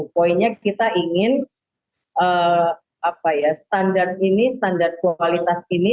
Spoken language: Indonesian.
poinnya kita ingin standar ini standar kualitas ini